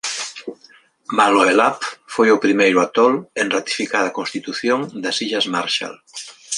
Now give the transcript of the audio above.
Maloelap foi o primeiro atol en ratificar a constitución da Illas Marshall.